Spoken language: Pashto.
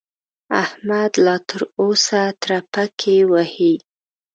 احمد لا تر اوسه ترپکې وهي.